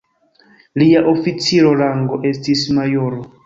Lia oficira rango estis majoro.